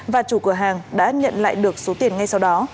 và chủ cửa hàng đã nhận lại được số tiền ngay sau đó